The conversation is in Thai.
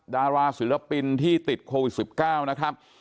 ดาราศิลปินที่ติดโควิด๑๙นะครับ